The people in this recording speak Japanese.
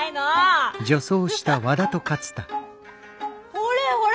ほれほれ。